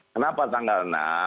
kenapa tanggal enam